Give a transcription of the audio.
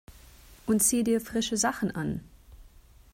Und zieh dir frische Sachen an!